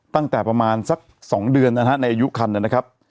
ตั้งแต่ประมาณสัก๒เดือนนะฮะในอายุคันนะครับ